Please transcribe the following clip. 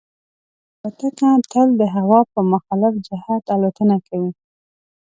چې الوتکه تل د هوا په مخالف جهت الوتنه کوي.